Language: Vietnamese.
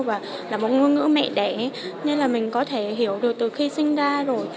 và là một ngôn ngữ mẹ đẻ nên là mình có thể hiểu được từ khi sinh ra rồi